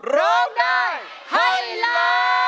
ร้องได้ให้ล้าน